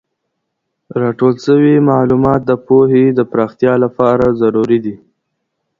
راټول سوی معلومات د پوهې د پراختیا لپاره ضروري دي.